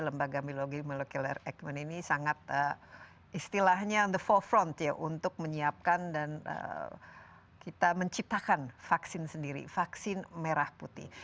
lembaga biologi molekular ekmen ini sangat istilahnya the forefront untuk menyiapkan dan kita menciptakan vaksin sendiri vaksin merah putih